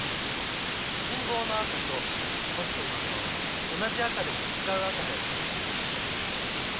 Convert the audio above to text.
信号の赤とポストの赤は同じ赤でも違う赤だよね？